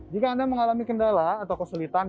jika anda mengalami kendala atau kesulitan di dalam jalan tol